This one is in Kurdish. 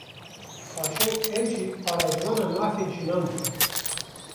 Qaşo ew jî parêzvana mafên jinan bû